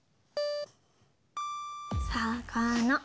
さかな。